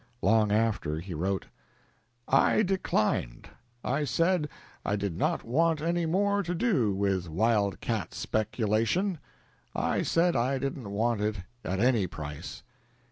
Long after he wrote: "I declined. I said I did not want any more to do with wildcat speculation .... I said I didn't want it at any price.